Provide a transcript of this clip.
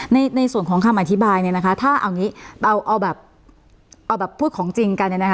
ในส่วนของคำอธิบายถ้าเอาแบบพูดของจริงกัน